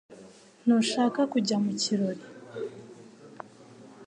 Ntushaka kujya mu kirori